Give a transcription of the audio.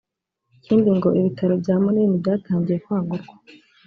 Ikindi ngo ibitaro bya Munini byatangiye kwagurwa